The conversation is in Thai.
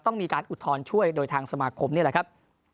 ต้องมีการอุทธรณ์ช่วยโดยทางสมาคมนี่แหละครับ